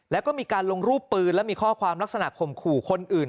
แล้วก็มีการลงรูปปืนและมีข้อความลักษณะข่มขู่คนอื่น